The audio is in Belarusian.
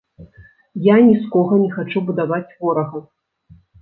Я ні з кога не хачу будаваць ворага.